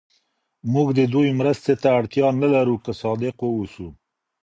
موږ د دوی مرستې ته اړتیا نه لرو که صادق واوسو.